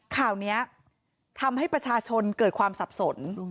ข่าวนี้ทำให้ประชาชนเกิดความสับสน